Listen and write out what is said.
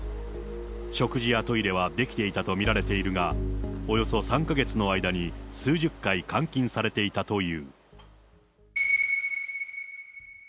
食事やトイレはできていたと見られているが、およそ３か月の間に数十回監禁されていたという。